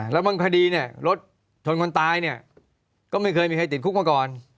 แล้วบางคดีเนี่ยรถชนคนตายเนี่ยก็ไม่เคยมีใครติดคุกมาก่อน